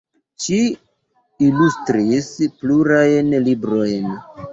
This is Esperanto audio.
Ŝi ilustris plurajn librojn.